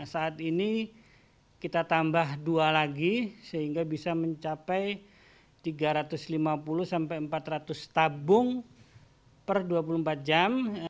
saat ini kita tambah dua lagi sehingga bisa mencapai tiga ratus lima puluh sampai empat ratus tabung per dua puluh empat jam